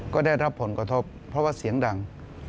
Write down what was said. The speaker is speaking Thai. ก็ได้รับผลกระทบเพราะว่าเสียงดัง